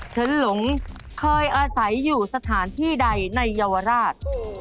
ฉันหลงเคยอาศัยอยู่สถานที่ใดในเยาวราช